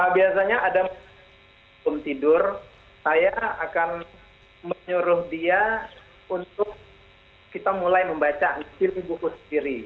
biasanya ada sebelum tidur saya akan menyuruh dia untuk kita mulai membaca hasil buku sendiri